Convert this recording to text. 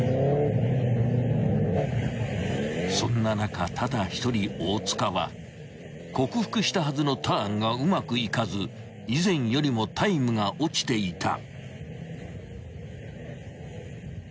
［そんな中ただ一人大塚は克服したはずのターンがうまくいかず以前よりもタイムが落ちていた］